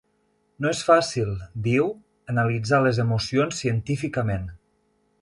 No és fàcil, diu, analitzar les emocions científicament.